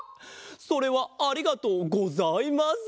それはありがとうございます！